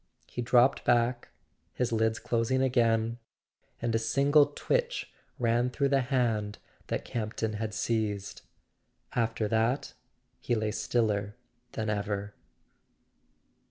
He dropped back, his lids closing again, and a single twitch ran through the hand that Campton had seized. After that he lay stiller than ever.